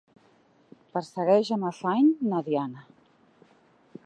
Persegueixi amb afany na Diana.